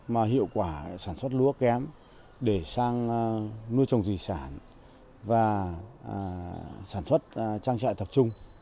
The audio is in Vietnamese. mà hiệu quả sản xuất lúa kém để sang nuôi trồng thủy sản và sản xuất trang trại tập trung